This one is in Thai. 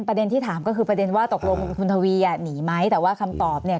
ประเด็นที่ถามก็คือประเด็นว่าตกลงคุณทวีอ่ะหนีไหมแต่ว่าคำตอบเนี่ย